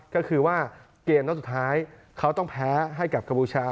ก็คือว่าเกมนัดสุดท้ายเขาต้องแพ้ให้กับกัมพูชา